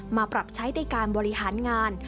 มาปรับใช้ในการบริหารงาน